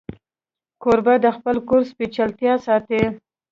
کوربه د خپل کور سپېڅلتیا ساتي.